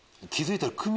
気付いたら。